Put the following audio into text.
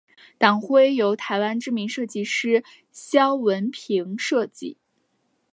党徽由台湾知名设计师萧文平设计。